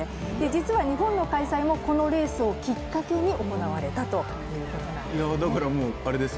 実は日本の開催もこのレースをきっかけに行われたということです。